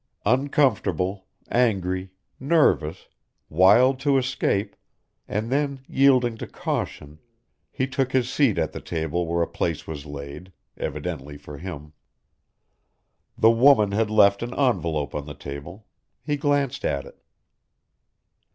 Uncomfortable, angry, nervous, wild to escape, and then yielding to caution, he took his seat at the table where a place was laid evidently for him. The woman had left an envelope on the table, he glanced at it.